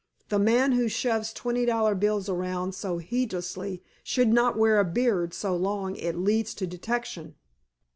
The man who shoves twenty dollar bills around so heedlessly should not wear a beard so long it leads to detection."